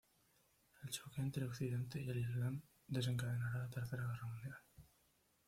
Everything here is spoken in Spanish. El choque entre Occidente y El Islam desencadenará la Tercera Guerra Mundial.